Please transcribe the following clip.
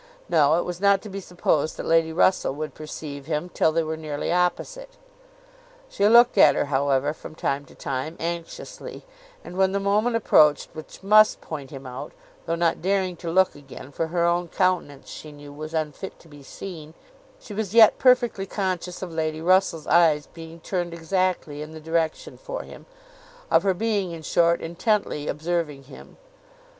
No, it was not to be supposed that Lady Russell would perceive him till they were nearly opposite. She looked at her however, from time to time, anxiously; and when the moment approached which must point him out, though not daring to look again (for her own countenance she knew was unfit to be seen), she was yet perfectly conscious of Lady Russell's eyes being turned exactly in the direction for him—of her being, in short, intently observing him.